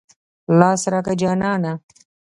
لاس راکه جانانه.